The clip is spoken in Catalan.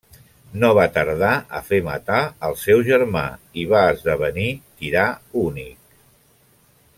No va tardar a fer matar al seu germà i va esdevenir tirà únic.